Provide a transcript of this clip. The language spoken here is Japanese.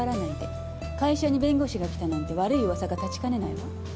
会社に弁護士が来たなんて悪い噂が立ちかねないわ。